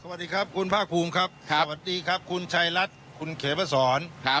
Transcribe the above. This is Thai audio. สวัสดีครับคุณภาคภูมิครับสวัสดีครับคุณชัยรัฐคุณเขมาสอนครับ